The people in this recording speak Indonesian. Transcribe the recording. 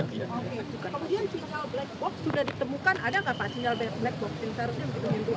kemudian soal blackbook sudah ditemukan ada gak pak sinyal blackbook